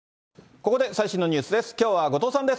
ここで最新のニュースです。